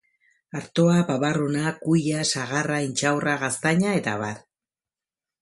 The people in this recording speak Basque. Artoa, babarruna, kuia, sagarra, intxaurra, gaztaina eta abar.